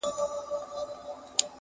• د مجسمې انځور هر ځای ځوړند ښکاري..